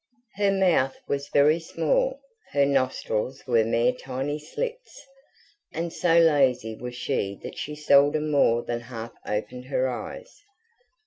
Her mouth was very small; her nostrils were mere tiny slits; and so lazy was she that she seldom more than half opened her eyes.